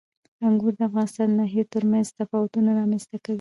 انګور د افغانستان د ناحیو ترمنځ تفاوتونه رامنځته کوي.